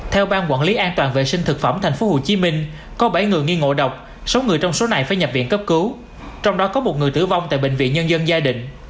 theo ban quản lý an toàn vệ sinh thực phẩm thành phố hồ chí minh có bảy người nghi ngộ độc sáu người trong số này phải nhập viện cấp cứu trong đó có một người tử vong tại bệnh viện nhân dân gia định